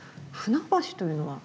舟橋というのは？